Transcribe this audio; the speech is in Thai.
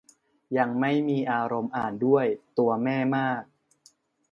ยังไม่มีอารมณ์อ่านด้วย ตัวแม่มาก